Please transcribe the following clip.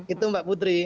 itu mbak putri